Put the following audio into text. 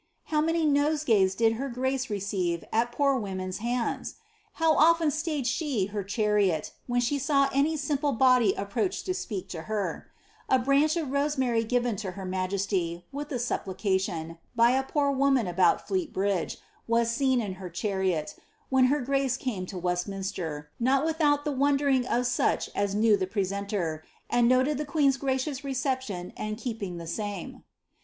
How many noeegays did her grace leeeive at poer women's hands ! How often stayed she her chariot, when she saw wtf simple body approach to speak to herf A branch ofroaeibaiy gmBla her majesty, with a supplication, by a poor woman aboni Flnit hiiiJM was seen in her chariot, when her grace came to Westminster, not w»* out the wondering of such as knew the presenter, and noted the qiasrt gracious reception and keqwsg the same."